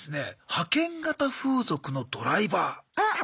派遣型風俗のドライバー。